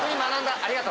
ありがとう。